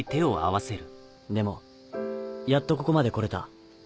でもやっとここまで来れた